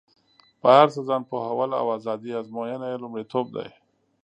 په هر څه ځان پوهول او ازادي ازموینه یې لومړیتوب دی.